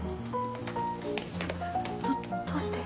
どどうして？